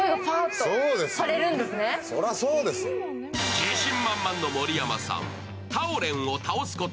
自信満々の盛山さん。